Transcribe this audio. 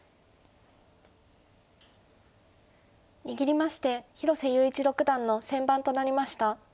握りまして広瀬優一六段の先番となりました。